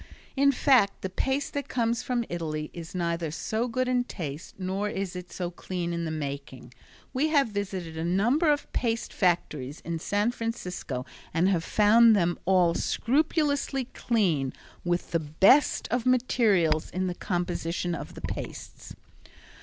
In fact the paste that comes from Italy is neither so good in taste, nor is it so clean in the making. We have visited a number of paste factories in San Francisco and have found them all scrupulously clean, with the best of materials in the composition of the pastes.